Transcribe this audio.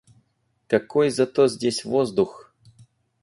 Какой зато здесь воздух!